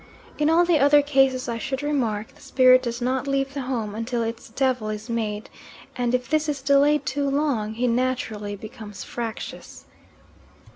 In all the other cases, I should remark, the spirit does not leave the home until its devil is made and if this is delayed too long he naturally becomes fractious.